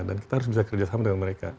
dan kita harus bisa kerja sama dengan mereka